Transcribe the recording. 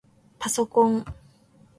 パソコン